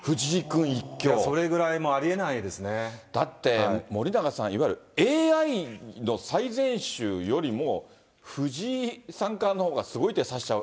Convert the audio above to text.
それぐらいもう、ありえないだって、森永さん、いわゆるＡＩの最善手よりも藤井三冠のほうがすごい手指しちゃう。